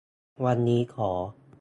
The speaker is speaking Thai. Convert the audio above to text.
วันนี้ขอ